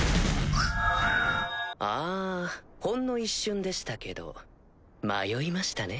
ああほんの一瞬でしたけど迷いましたね？